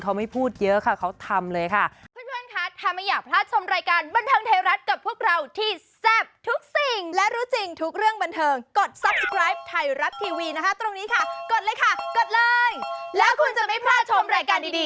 เขาไม่พูดเยอะค่ะเขาทำเลยค่ะ